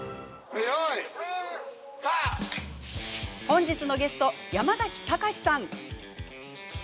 本日のゲスト、山崎貴さん。